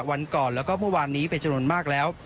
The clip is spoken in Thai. ตั้งแต่วันก่อนและก็เมื่อวานนี้เป็นเฉินมากแล้ว